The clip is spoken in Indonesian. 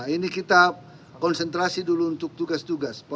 ini kita konsentrasi dulu untuk tugas tugas